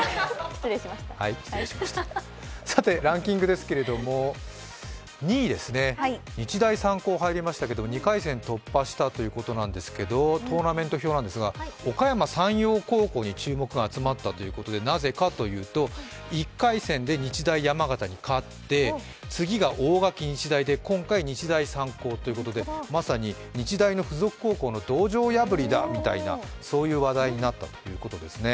ランキングですけれども、日大三高が２回戦突破したということですが、トーナメント表ですが、おかやま山陽高校に注目が集まったということですがなぜかというと、１回戦で日大山形に勝って次が大垣日大で今回、日大三高ということでまさに日大の付属高校の道場破りだみたいな話題になったということですね。